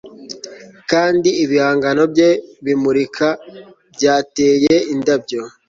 Kandi ibihangano bye bimurika byateye indabyo